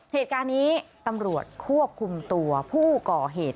เหตุการณ์นี้ตำรวจควบคุมตัวผู้ก่อเหตุ